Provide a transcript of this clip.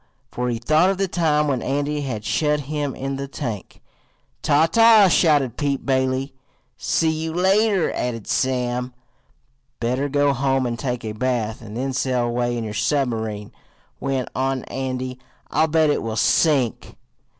for he thought of the time when Andy had shut him in the tank. "Ta! ta!" shouted Pete Bailey. "See you later," added Sam. "Better go home and take a bath, and then sail away in your submarine," went on Andy. "I'll bet it will sink."